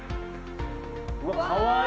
うわっかわいい。